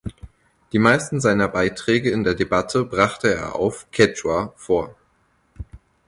Die meisten seiner Beiträge in der Debatte brachte er auf Quechua vor.